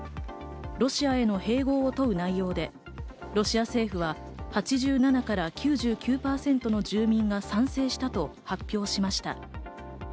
ロシアへの併合を問う内容で、ロシア政府は８７から９９％の住民が賛成したと発表しました。